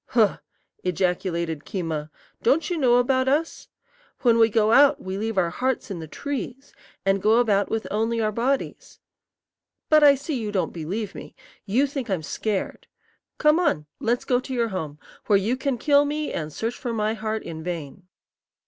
"Huh!" ejaculated Keema; "don't you know about us? When we go out we leave our hearts in the trees, and go about with only our bodies. But I see you don't believe me. You think I'm scared. Come on; let's go to your home, where you can kill me and search for my heart in vain."